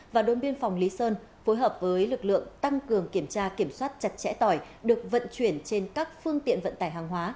và đồn biên phòng lý sơn phối hợp với lực lượng tăng cường kiểm tra kiểm soát chặt chẽ tỏi được vận chuyển trên các phương tiện vận tải hàng hóa